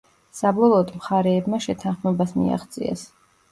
საბოლოოდ მხარეებმა შეთანხმებას მიაღწიეს.